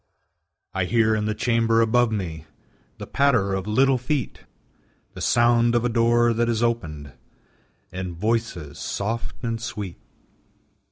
I hear in the chamber above me The patter of little feet, The sound of a door that is opened, And voices soft and sweet.